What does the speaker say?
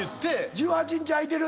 １８日空いてる？